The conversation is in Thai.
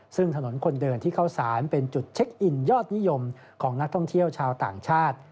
ซึ่งถนนคนเดินที่เข้าสารเป็นจุดเช็คอินยอดนิยมของนักท่องเที่ยวชาวต่างชาติ